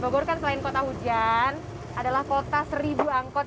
bogor kan selain kota hujan adalah kota seribu angkot